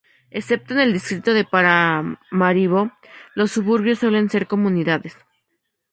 Excepto En el Distrito de Paramaribo, los suburbios suelen ser comunidades.